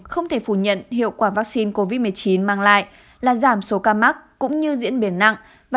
không thể phủ nhận hiệu quả vaccine covid một mươi chín mang lại là giảm số ca mắc cũng như diễn biến nặng và